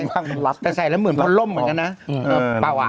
ใช่ลับแต่ใส่แล้วเหมือนพอล่มเหมือนกันนะประวาย